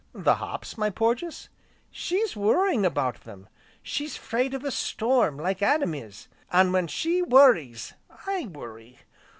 "The hops, my Porges?" "She's worrying about them, she's 'fraid of a storm, like Adam is. An' when she worries, I worry.